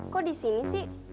kok disini sih